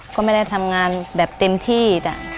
ก็ไม่ได้ทำงานแบบเต็มที่จ้ะ